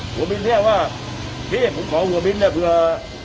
บินเรียกว่าพี่ผมขอหัวมิ้นเนี่ยเผื่อ